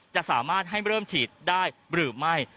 จะสามารถให้เริ่มฉีดได้หรือไม่